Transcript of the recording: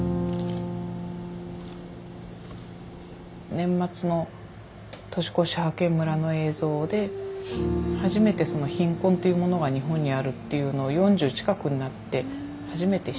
年末の年越し派遣村の映像で初めて貧困っていうものが日本にあるっていうのを４０近くになって初めて知って。